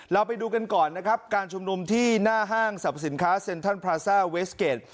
เราไปดูกันก่อนนะครับการชุมนุมที่หน้าห้างสรรพสินค้าเซ็นทรัลพราซ่าเวสเกจ